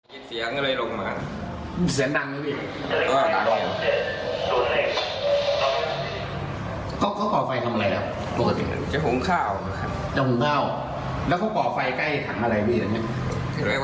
อ๋ออย่างนี้อันตรายหรือวิ